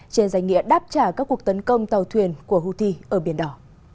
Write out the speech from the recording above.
trên danh nghĩa đáp trả các cuộc tấn công tàu thuyền của houthi ở biển đỏ